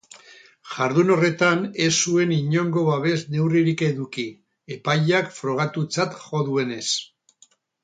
Jardun horretan ez zuen inongo babes neurririk eduki, epaiak frogatutzat jo duenez.